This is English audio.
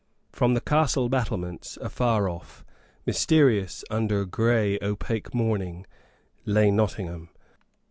From the castle battlements, afar off, mysterious under grey opaque morning, lay Nottingham.